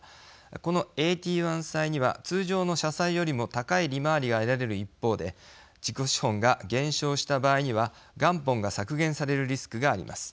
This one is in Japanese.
このＡＴ１債には通常の社債よりも高い利回りが得られる一方で自己資本が減少した場合には元本が削減されるリスクがあります。